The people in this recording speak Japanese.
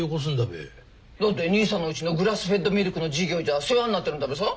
だって兄さんのうちのグラスフェッドミルクの事業じゃ世話になってるんだべさ？